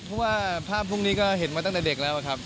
เพราะว่าภาพพวกนี้ก็เห็นมาตั้งแต่เด็กแล้วครับ